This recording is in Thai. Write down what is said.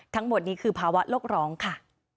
ทั้งหมดนี้คือภาวะโลกร้องค่ะ